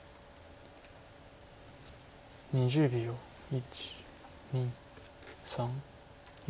１２３４。